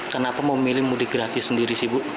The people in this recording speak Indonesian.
kenapa mau milih mudik gratis sendiri sih ibu